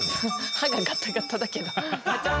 歯がガタガタだけど。